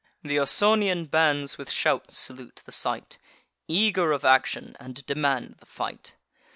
Th' Ausonian bands with shouts salute the sight, Eager of action, and demand the fight.